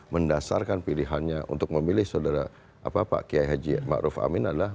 mendasarkan pilihannya untuk memilih saudara pak kiai haji ma'ruf amin adalah